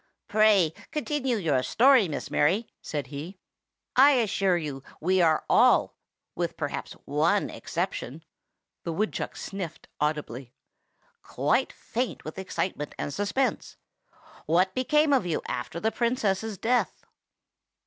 "Pray continue your story, Miss Mary!" said he. "I assure you we are all, with perhaps one exception [the woodchuck sniffed audibly], quite faint with excitement and suspense. What became of you after the Princess's death?"